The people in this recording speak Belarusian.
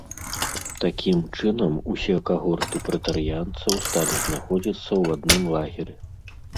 Такім чынам усе кагорты прэтарыянцаў сталі знаходзіцца ў адным лагеры.